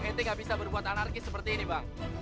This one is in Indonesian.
nanti tidak bisa berbuat anarki seperti ini bang